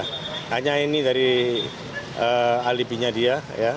hanya ini dari alibinya dia